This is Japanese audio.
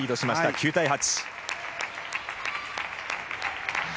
９対８。